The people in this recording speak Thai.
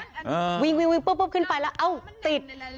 หรือเปล่าไงวิ่งปุ๊บขึ้นไปแล้วเอาติด